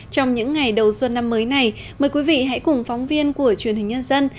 trong những ngày đầu xuân năm mới này mời quý vị hãy cùng phóng viên của truyền hình nhân dân